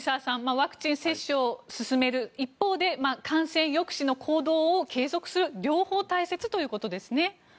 ワクチン接種を進める一方で感染抑止の行動を継続する両方大切ということですね。